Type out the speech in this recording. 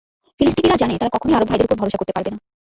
ফিলিস্তিনিরা জানে, তারা কখনোই আরব ভাইদের ওপর ভরসা করতে পারবে না।